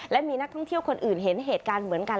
และมีนักท่องเที่ยวคนอื่นเห็นเหตุการณ์เหมือนกัน